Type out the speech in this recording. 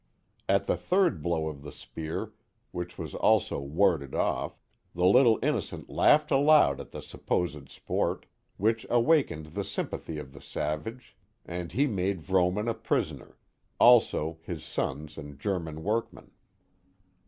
At the third blow of the spear, which was also warded off, the little innocent laughed aloud at the supposed sport, which awakened the sympathy of the savage, and he i8o The Mohawk Valley made Vroomaii a prisoner, also his sons and German workmen.